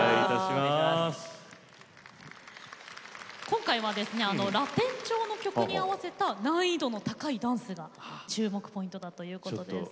今回はラテン調の曲に合わせた難易度の高いダンスが注目ポイントだということです。